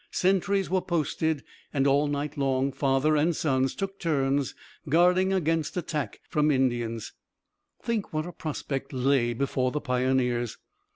Sentries were posted, and all night long father and sons took turns guarding against attack from Indians. Think what a prospect lay before the pioneers!